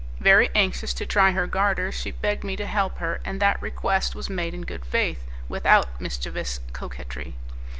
Very anxious to try her garters, she begged me to help her, and that request was made in good faith, without mischievous coquetry.